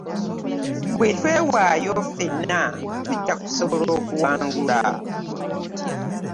Bwe twewaayo ffenna tujja kusobola okuwangula.